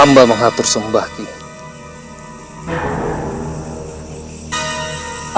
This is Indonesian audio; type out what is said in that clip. aku tidak sanggup kalau harus langsung mencari papa gerahang